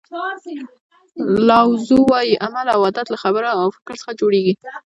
لاو زو وایي عمل او عادت له خبرو او فکر څخه جوړیږي.